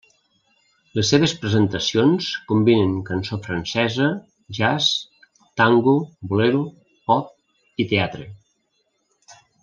Les seves presentacions combinen cançó francesa, Jazz, Tango, Bolero, pop i teatre.